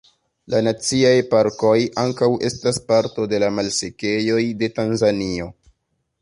La naciaj parkoj ankaŭ estas parto de la malsekejoj de Tanzanio.